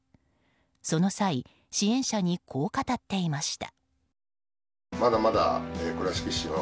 その際、支援者にこう語っていました。